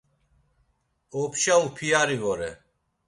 Opşa upiyari vore.